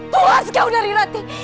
puas kau dari latih